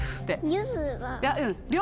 ゆずは。